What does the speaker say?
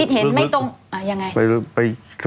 เห็นไม่ตรงยังไง